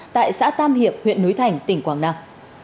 tại xã tam hiệp huyện núi thành tỉnh quảng nam